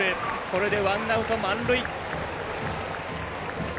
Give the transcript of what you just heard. これでワンアウト、満塁。